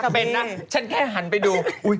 เป็นนะฉันแค่หันไปดู